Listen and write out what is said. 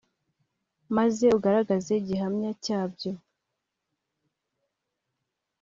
maze ugaragaze gihamya cyabyo